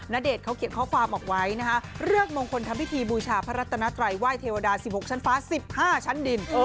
ณเดชนเขาเขียนข้อความออกไว้นะคะเลือกมงคลทำพิธีบูชาพระรัตนาไตรไหว้เทวดา๑๖ชั้นฟ้า๑๕ชั้นดิน